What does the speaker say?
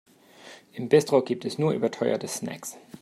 Im Bistro gibt es nur überteuerte Snacks.